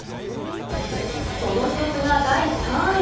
その一つが第３位。